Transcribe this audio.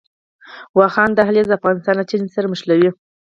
واخان دهلیز افغانستان له چین سره نښلوي